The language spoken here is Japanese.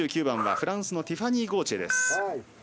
２９番はフランスのティファニー・ゴーチエです。